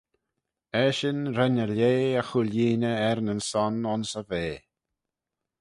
Eshyn ren y leigh y cooilleeney er-nyn-son ayns e vea.